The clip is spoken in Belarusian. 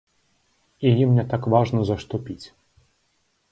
І ім не так важна за што піць.